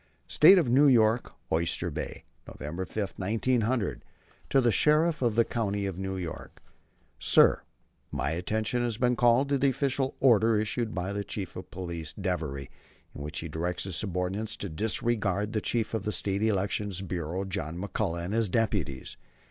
STATE OF NEW YORK OYSTER BAY, November 5, 1900. To the Sheriff of the County of New York. Sir: My attention has been called to the official order issued by Chief of Police Devery in which he directs his subordinates to disregard the Chief of the State Election Bureau, John McCullagh, and his deputies.